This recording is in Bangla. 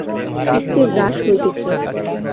সত্যের হ্রাস হইতেছে।